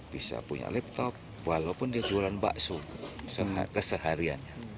bisa punya laptop walaupun dia jualan bakso kesehariannya